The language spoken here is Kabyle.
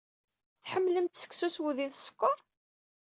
Tḥemmlemt seksu s wudi d skeṛ?